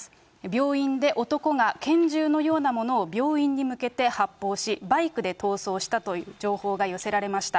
病院で男が拳銃のようなものを病院に向けて発砲し、バイクで逃走したという情報が寄せられました。